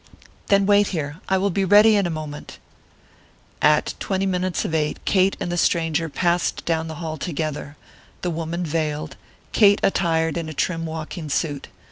"Then wait here; I will be ready in a moment." At twenty minutes of eight Kate and the stranger passed down the hall together the woman veiled, Kate attired in a trim walking suit.